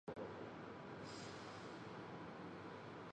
菲涅耳方程描述关于波动在界面的反射行为与透射行为。